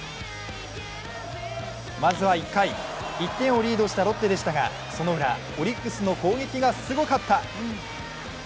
まずは１回、１点をリードしたロッテでしたがそのウラ、オリックスの攻撃がすごかった。